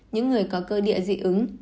những người có cơ địa dị ứng